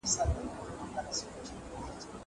ايا ته چپنه پاکوې؟